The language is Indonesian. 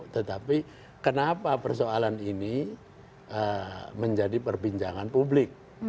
tetapi kenapa persoalan ini menjadi perbincangan publik